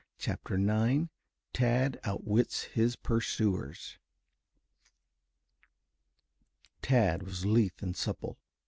CHAPTER IX TAD OUTWITS HIS PURSUERS Tad was lithe and supple.